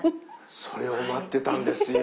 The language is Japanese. それを待ってたんですよ。